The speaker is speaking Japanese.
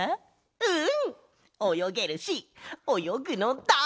うん。